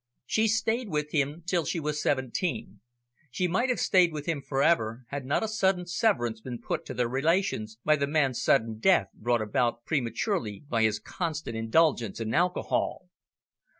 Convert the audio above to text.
She stayed with him till she was seventeen. She might have stayed with him for ever, had not a sudden severance been put to their relations, by the man's sudden death, brought about prematurely by his constant indulgence in alcohol.